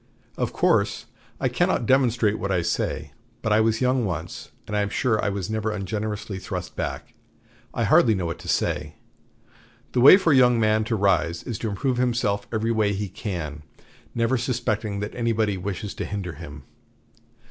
Of course I cannot demonstrate what I say; but I was young once, and I am sure I was never ungenerously thrust back. I hardly know what to say. The way for a young man to rise is to improve himself every way he can, never suspecting that anybody wishes to hinder him.